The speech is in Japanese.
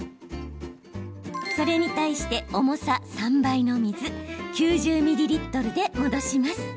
それに対して重さ３倍の水９０ミリリットルで戻します。